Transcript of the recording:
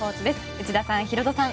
内田さん、ヒロドさん